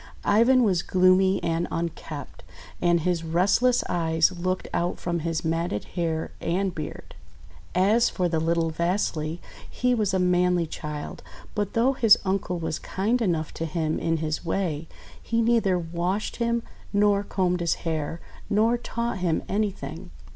Ivan was gloomy and unkempt, and his rest less eyes looked out from his matted hair and beard. As for the little Vasily, he was a manly child; but though his uncle was kind enough to him in his way, he neither washed him, nor combed his hair, nor taught him anything.